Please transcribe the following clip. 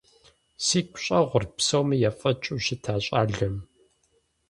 Сигу щӀэгъурт псоми ефӀэкӀыу щыта щӏалэм.